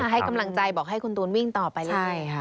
ให้กำลังใจบอกให้คุณตูนวิ่งต่อไปเรื่อยค่ะ